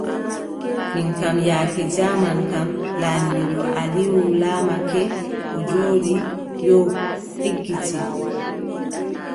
Min kam, yaake jaaman kam, laamiiɗo Alium laamake, o jooɗi yo, eggiti.